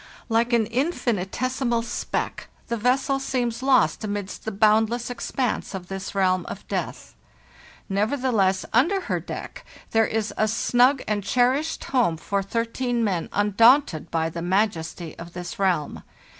Like an infinitesimal speck, the vessel seems lost amidst the boundless expanse of this realm of death. Nevertheless, under her deck there is a snug and cherished home for thirteen men undaunted by the majesty of this realm.